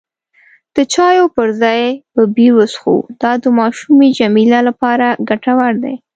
د چایو پر ځای به بیر وڅښو، دا د ماشومې جميله لپاره ګټور دی.